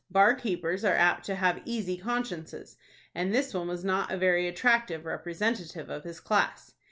Bar keepers are apt to have easy consciences, and this one was not a very attractive representative of his class.